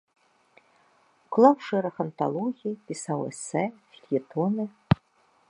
Уклаў шэраг анталогій, пісаў эсэ, фельетоны.